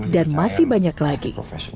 dan masih banyak lagi